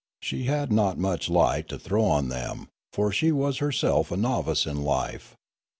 She had not much light to throw on them, for she was her self a novice in life.